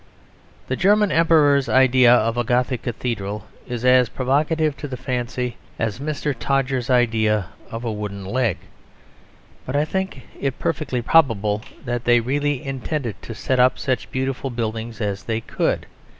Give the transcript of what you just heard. The German Emperor's idea of a Gothic cathedral is as provocative to the fancy as Mrs. Todgers' idea of a wooden leg. But I think it perfectly probable that they really intended to set up such beautiful buildings as they could.